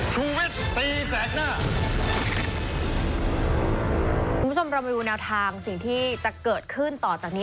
คุณผู้ชมเรามาดูแนวทางสิ่งที่จะเกิดขึ้นต่อจากนี้